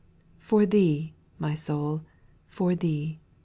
For thee, my soul, for thee.